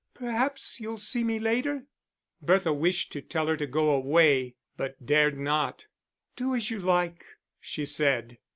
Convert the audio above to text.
Perhaps you'll see me later." Bertha wished to tell her to go away, but dared not. "Do as you like," she said.